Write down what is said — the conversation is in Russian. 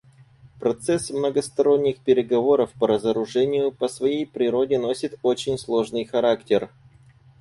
Процесс многосторонних переговоров по разоружению по своей природе носит очень сложный характер.